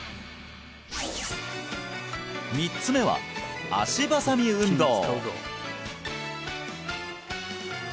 ３つ目は脚ばさみ運動